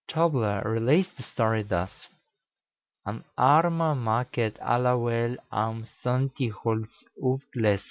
Tobler relates the story thus: "An arma mā ket alawel am Sonnti holz ufglesa.